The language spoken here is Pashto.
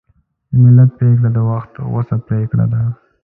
د ملت پرېکړه د وخت غوڅه پرېکړه ده.